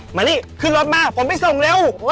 มานี่ขึ้นรถมาผมไปส่งเร็ว